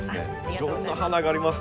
いろんな花がありますね。